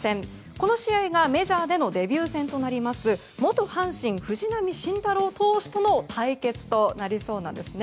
この試合がメジャーでのデビュー戦となります元阪神、藤浪晋太郎投手との対決となりそうなんです。